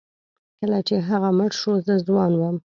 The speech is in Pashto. کله چې هغه مړ شو زه ځوان وم.